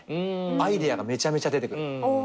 アイデアがめちゃめちゃ出てくる。